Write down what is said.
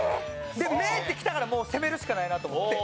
で「め」ってきたから「攻める」しかないなと思って。